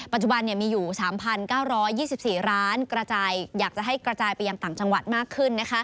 ปัจจุบันมีอยู่๓๙๒๔ร้านอยากจะให้กระจายไปยังต่างจังหวัดมากขึ้น